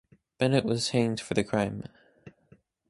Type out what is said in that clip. Bennett was hanged for the crime.